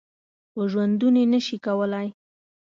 په ژوندوني نه شي کولای .